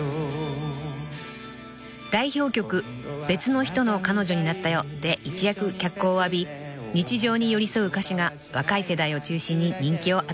［代表曲『別の人の彼女になったよ』で一躍脚光を浴び日常に寄り添う歌詞が若い世代を中心に人気を集めています］